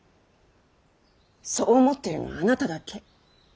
そう思っているのはあなただけ。